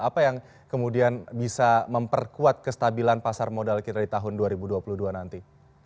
apa yang kemudian bisa memperkuat kestabilan pasar modal kita di tahun dua ribu dua puluh dua nanti